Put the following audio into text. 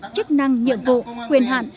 chức năng nhiệm vụ quyền hạn